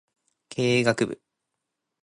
経営学部